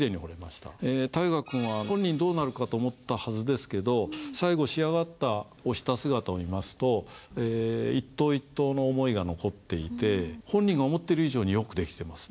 大河君は本人どうなるかと思ったはずですけど最後仕上がった押した姿を見ますと一刀一刀の思いが残っていて本人が思ってる以上によく出来てますね。